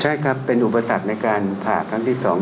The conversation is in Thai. ใช่ครับเป็นอุปสรรคในการผ่าครั้งที่๒